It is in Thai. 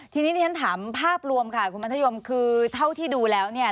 ทีนี้ที่ฉันถามภาพรวมค่ะคุณมัธยมคือเท่าที่ดูแล้วเนี่ย